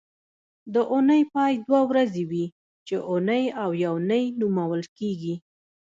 د اونۍ پای دوه ورځې وي چې اونۍ او یونۍ نومول کېږي